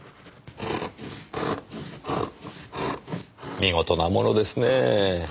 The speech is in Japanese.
見事なものですねえ。